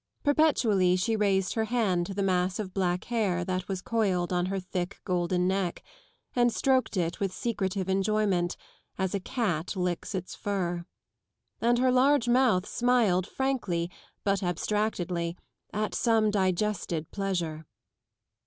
Perpetually she raised her hand to the mass of black hair that was coiled on her thick golden neck, and stroked it with secretive enjoyment, as a cat licks its fur. And her large mouth smiled frankly, but abstractedly, at some digested pleasure.